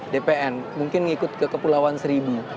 dpn mungkin ngikut ke kepulauan seribu